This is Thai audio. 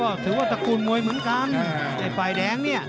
ก็ถือว่าตระกูลมวยหมึงกันในปลายแดงเนี่ย